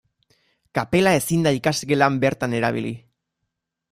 Kapela ezin da ikasgelan bertan erabili.